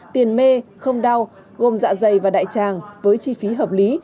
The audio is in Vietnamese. tiền mê không đau gồm dạ dày và đại tràng với chi phí hợp lý